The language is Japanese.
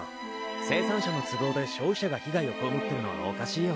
生産者の都合で消費者が被害を被ってるのはおかしいよ。